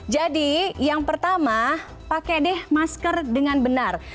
jadi yang pertama pakai deh masker dengan benar